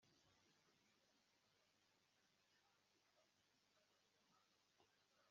Icyatumye avuga atyo ni ukwerekana urupfu